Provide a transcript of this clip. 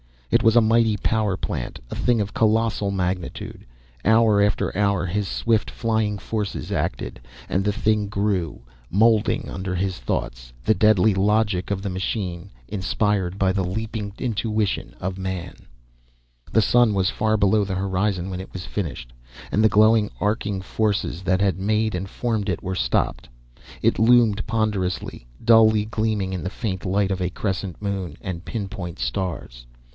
It was a mighty power plant, a thing of colossal magnitude. Hour after hour his swift flying forces acted, and the thing grew, moulding under his thoughts, the deadly logic of the machine, inspired by the leaping intuition of man. The sun was far below the horizon when it was finished, and the glowing, arcing forces that had made and formed it were stopped. It loomed ponderous, dully gleaming in the faint light of a crescent moon and pinpoint stars.